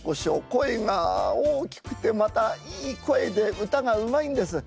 声が大きくてまたいい声で歌がうまいんです。